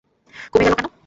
কমে গেল কেন?